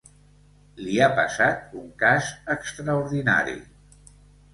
Li ha passat un cas extraordinari.